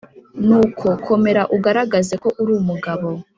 Nuko komera ugaragaze ko uri umugabo.